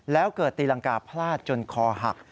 แล้วเกิดตีรังกาพลาดจนคอหัก